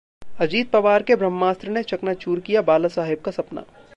अजित पवार के 'ब्रह्मास्त्र' ने चकनाचूर किया बाला साहेब का सपना